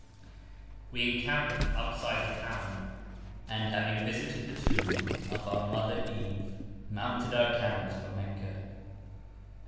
We encamped outside the town, and, having visited the tomb of our Mother Eve, mounted our camels for Meccah.